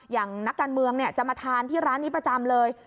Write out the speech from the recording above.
อย่างนักการเมืองจะมาทานที่ร้านนี้ประจำเลย